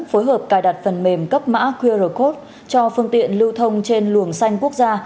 phối hợp cài đặt phần mềm cấp mã qr code cho phương tiện lưu thông trên luồng xanh quốc gia